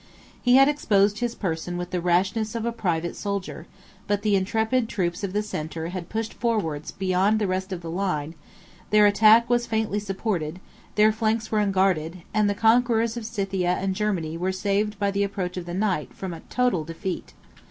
He had exposed his person with the rashness of a private soldier; but the intrepid troops of the centre had pushed forwards beyond the rest of the line; their attack was faintly supported; their flanks were unguarded; and the conquerors of Scythia and Germany were saved by the approach of the night from a total defeat.